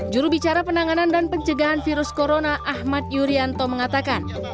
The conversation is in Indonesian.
jurubicara penanganan dan pencegahan virus corona ahmad yuryanto mengatakan